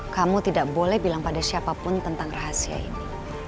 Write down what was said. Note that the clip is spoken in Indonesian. kamu tidak boleh bilang pada siapapun tentang rahasia ini